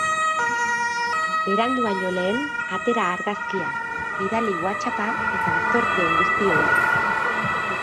Berandu baino lehen, atera argazkia, bidali whatsappa eta zorte on guztioi!